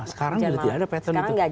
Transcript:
sekarang sudah tidak ada pattern itu